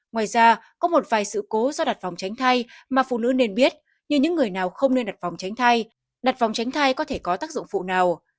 ngoài ra có một vài sự cố do đặt vòng tránh thai mà phụ nữ nên biết như những người nào không nên đặt vòng tránh thai đặt vòng tránh thai có thể có tác dụng phụ nào